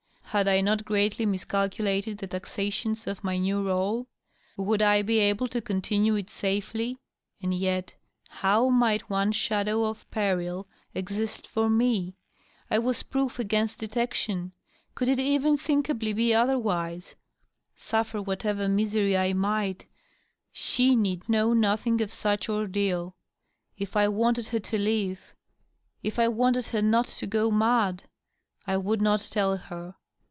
Had I not greatly miscalculated the taxations of my new rSfe t Would I be able to continue it safely ? And yet how might one shadow of peril DOUGLAS DUANE. 623 exist for me ? I was proof against detection. Could it even thinka bly be otherwise ? Suffer whatever misery I might, she need know nothing of such ordeal. If I wanted her to live — if I wanted her not to go mad — I would not tell her.